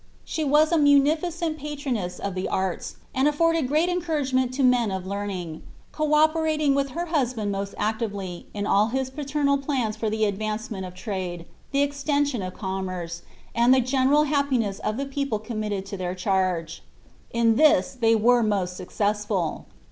She was a munificent patroness of the arts, and afforded great encourage ment to men of learning, co operating with her husband most actively in all his paternal plans for the advancement of trade, the extension of commerce, and the general happiness of the people committed to their charge. In this they were most successful.